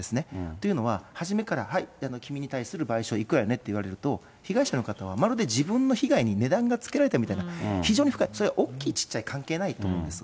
というのは、初めから、はい、君に対するいくらだよねって言われると、被害者の方はまるで自分の被害に値段がつけられたみたいな、非常に不快、それは大きい小さい関係ないと思うんです。